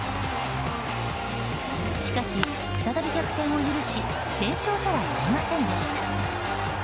しかし、再び逆転を許し連勝とはなりませんでした。